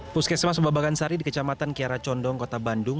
puskesmas mbak bagansari di kecamatan kiara condong kota bandung